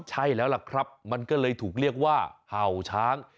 ใช่แล้วล่ะครับมันก็เลยถูกเรียกว่าเห่าช้าง